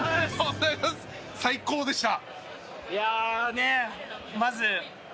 最高でした。